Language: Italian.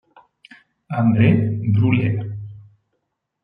André Brulé